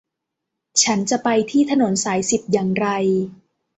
ฉันจะไปที่ถนนสายสิบอย่างไร